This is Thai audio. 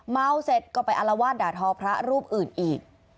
เมาเสร็จก็ไปอารวาสด่าทอพระรูปอื่นอีก